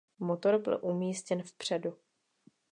Motor byl umístěn vpředu.